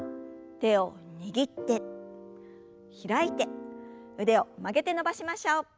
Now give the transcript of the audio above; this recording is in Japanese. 手を握って開いて腕を曲げて伸ばしましょう。